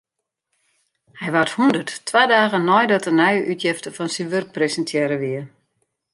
Hy waard hûndert, twa dagen neidat in nije útjefte fan syn wurk presintearre wie.